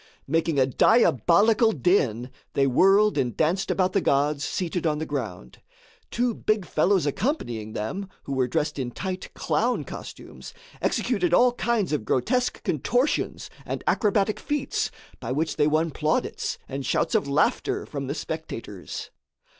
Making a diabolical din, they whirled and danced about the gods seated on the ground. Two big fellows accompanying them, who were dressed in tight clown costumes, executed all kinds of grotesque contortions and acrobatic feats, by which they won plaudits and shouts of laughter from the spectators.